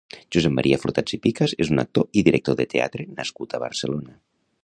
Josep Maria Flotats i Picas és un actor i director de teatre nascut a Barcelona.